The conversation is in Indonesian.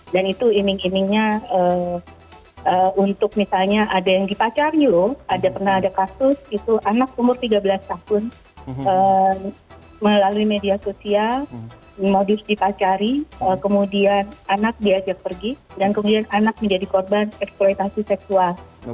dan itu iming imingnya untuk misalnya ada yang dipacari loh pernah ada kasus itu anak umur tiga belas tahun melalui media sosial modus dipacari kemudian anak diajak pergi dan kemudian anak menjadi korban eksploitasi seksual